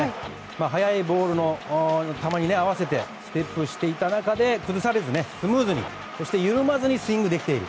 速いボールの球に合わせてステップしていった中で崩されずスムーズに緩まずにスイングできている。